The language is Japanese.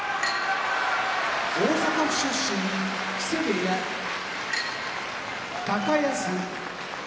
大阪府出身木瀬部屋高安